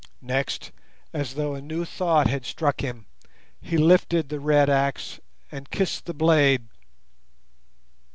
Next, as though a new thought had struck him, he lifted the red axe and kissed the blade.